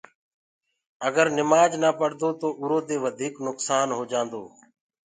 اگر نمآج نآ پڙدو تو اُرو دي وڌيٚڪ نُڪسآن هو جآندو